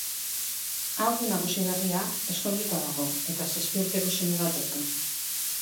Ahaldun nagusi berria ezkonduta dago eta zazpi urteko seme bat dauka.